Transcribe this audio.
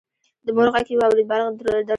د مور غږ يې واورېد: بالښت دروړم.